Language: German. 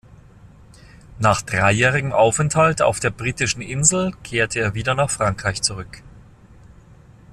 Nach dreijährigem Aufenthalt auf der britischen Insel kehrte er wieder nach Frankreich zurück.